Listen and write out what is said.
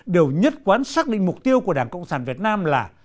đều nhất quán xác định mục tiêu của đảng cộng sản việt nam là